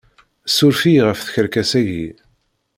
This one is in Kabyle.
Suref-iyi ɣef tkerkas-agi!